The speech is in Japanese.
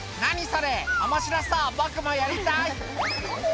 それ面白そう僕もやりたい」